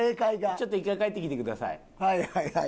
ちょっと１回帰ってきてください。